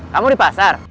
kamu di pasar